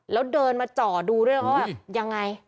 แล้วเดินมาจ่อดูด้วยแล้วเขาแบบยังไง